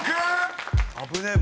危ねえ。